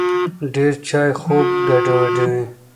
ډېر چای خوب ګډوډوي.